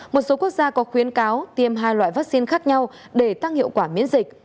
một số quốc gia có khuyến cáo tiêm hai loại vaccine khác nhau để tăng hiệu quả miễn dịch